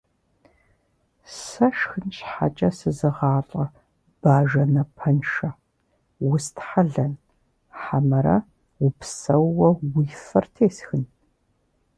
Сэ шхын щхьэкӀэ сызыгъалӀэ Бажэ напэншэ, устхьэлэн хьэмэрэ упсэууэ уи фэр тесхын?!